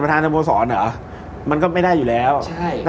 ประธานธรรมศรเหรอมันก็ไม่ได้อยู่แล้วใช่